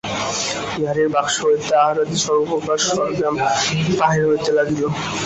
বিহারীর বাক্স হইতে আহারাদির সর্বপ্রকার সরজ্ঞাম বাহির হইতে লাগিল।